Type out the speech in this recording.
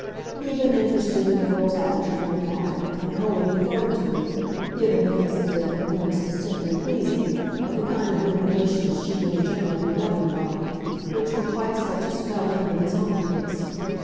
He had been interested in the girl's attitude on the matter and had wholly deferred to it, giving him, as it did, a glimpse, distinctly pleasing, of the kind of ruminations she would in general be governed by which were quite such as fell in with his own taste.